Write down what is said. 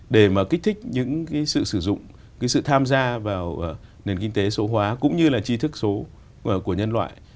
để mà kích thích những cái sự sử dụng cái sự tham gia vào nền kinh tế số hóa cũng như là chi thức số của nhân loại